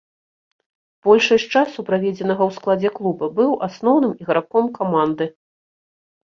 Большасць часу, праведзенага ў складзе клуба быў асноўным іграком каманды.